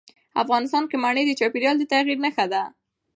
افغانستان کې منی د چاپېریال د تغیر نښه ده.